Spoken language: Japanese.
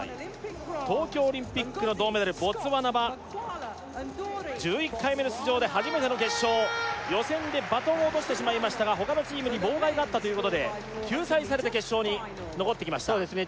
東京オリンピックの銅メダルボツワナは１１回目の出場で初めての決勝予選でバトンを落としてしまいましたが他のチームに妨害があったということで救済されて決勝に残ってきましたそうですね